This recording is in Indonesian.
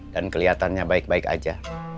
dan keliatannya baik baik aja